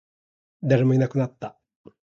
誰もいなくなった